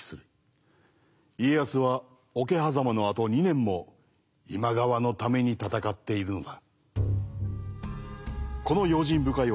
家康は桶狭間のあと２年も今川のために戦っているのだ。